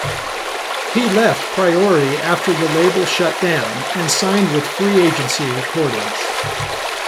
He left Priority after the label shut down and signed with Free Agency Recordings.